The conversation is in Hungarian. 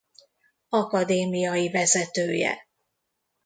Akadémiai vezetője.